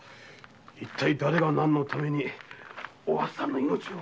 一体だれが何のためにお初さんの命を？